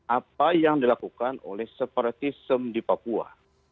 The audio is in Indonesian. apa yang dilakukan oleh separatism di papua